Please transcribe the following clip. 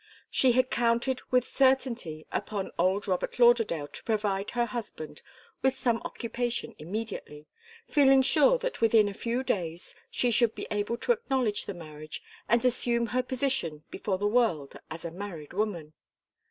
She had counted with certainty upon old Robert Lauderdale to provide her husband with some occupation immediately, feeling sure that within a few days she should be able to acknowledge the marriage and assume her position before the world as a married woman.